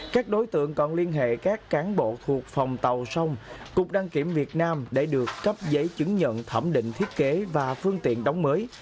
các đối tượng còn liên hệ các cán bộ thuộc phòng tàu sông cục đăng kiểm việt nam để được cấp giấy chứng nhận thẩm định thiết kế và phương tiện đóng mới